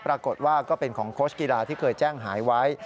ปรากฏว่าก็เป็นของโค้ชกีฬาที่เคยแจ้งหายไว้